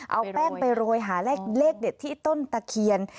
เอาแป้งไปโรยหาเลขเด็ดที่ต้นตะเคียน